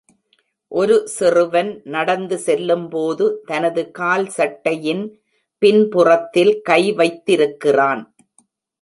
ஒரு சிறுவன் நடந்து செல்லும்போது தனது கால் சட்டையின் பின்புறத்தில் கை வைத்திருக்கிறான்..